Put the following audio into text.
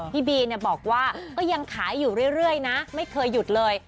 พี่บีบอกว่าก็ยังขายอยู่เรื่อยนะไม่เคยหยุดเลย